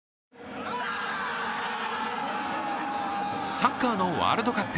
サッカーのワールドカップ。